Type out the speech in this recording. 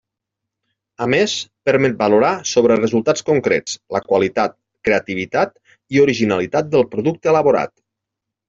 A més, permet valorar, sobre resultats concrets, la qualitat, creativitat i originalitat del producte elaborat.